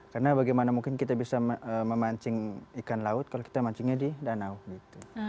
karena bagaimana mungkin kita bisa memancing ikan laut kalau kita mancingnya di danau gitu